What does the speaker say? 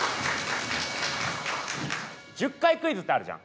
１０回クイズってあるじゃん。